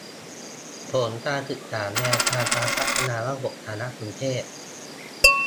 ผลการศึกษาแนวทางการพัฒนาระบบสารสนเทศ